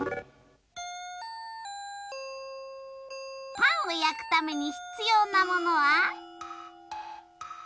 パンをやくためにひつようなものは？